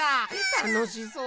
たのしそう。